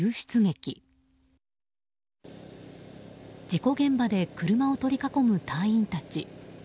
事故現場で車を取り囲む隊員たち。